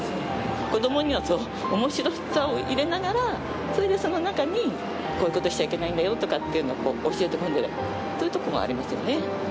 子どもにはおもしろさを入れながら、それで、その中にこういうことをしちゃいけないんだよとかって教えてくれる、そういうところもありますよね。